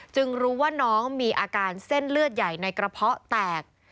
รู้ว่าน้องมีอาการเส้นเลือดใหญ่ในกระเพาะแตก